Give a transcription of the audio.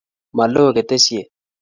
Ma loo keteshet